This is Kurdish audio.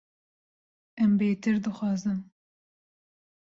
Em bêtir dixwazin.